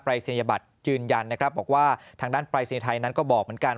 รายศนียบัตรยืนยันนะครับบอกว่าทางด้านปรายศนีย์ไทยนั้นก็บอกเหมือนกัน